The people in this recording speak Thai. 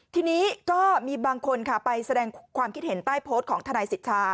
ทีนี้ก็มีบางคนค่ะไปแสดงความคิดเห็นใต้โพสต์ของทนายสิทธา